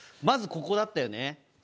まずここだったよね。